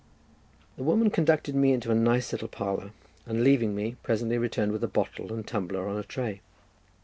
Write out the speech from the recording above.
The woman conducted me into a nice little parlour, and, leaving me, presently returned with a bottle and tumbler on a tray.